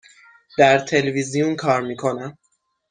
در تلویزیون کار می کنم.